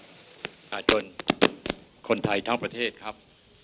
ประชาชนคนไทยทั้งประเทศครับ